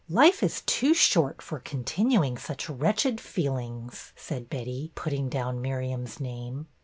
Life is too short for continuing such wretched feelings," said Betty, putting down Miriam's name.